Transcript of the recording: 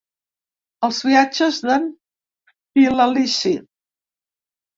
Els viatges d’en Filalici.